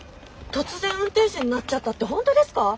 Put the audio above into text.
突然運転手になっちゃったって本当ですか？